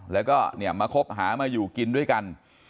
แล้วก็เนี่ยมาคบหามาอยู่กินด้วยกัน